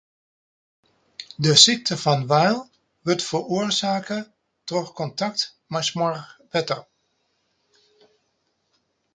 De sykte fan Weil wurdt feroarsake troch kontakt mei smoarch wetter.